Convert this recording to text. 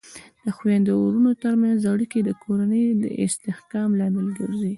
د خویندو او ورونو ترمنځ اړیکې د کورنۍ د استحکام لامل ګرځي.